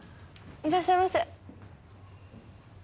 いらっしゃいませ。